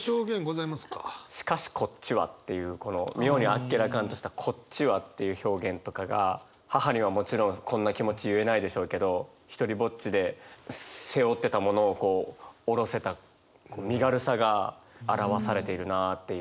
「然しこっちは」っていうこの妙にあっけらかんとした「こっちは」っていう表現とかが母にはもちろんこんな気持ち言えないでしょうけど独りぼっちで背負ってたものを下ろせた身軽さが表されているなっていう。